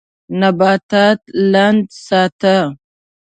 نباتات لند ساته.